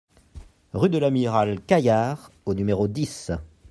Rue de l'Amiral Caillard au numéro dix